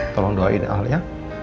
tolong doain al ya